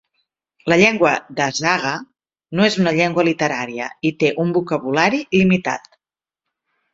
La llengua Dazaga no és una llengua literària i té un vocabulari limitat.